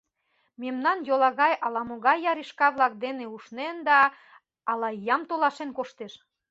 Мемнан йолагай ала-могай яришка-влак дене ушнен да ала иям толашен коштеш.